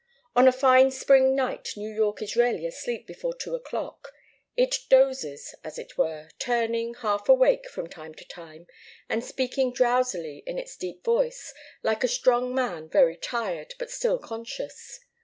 On a fine spring night New York is rarely asleep before two o'clock. It dozes, as it were, turning, half awake, from time to time, and speaking drowsily in its deep voice, like a strong man very tired, but still conscious.